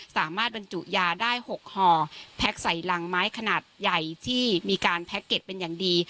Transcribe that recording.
บรรจุยาได้๖ห่อแพ็กใส่รังไม้ขนาดใหญ่ที่มีการแพ็คเก็ตเป็นอย่างดี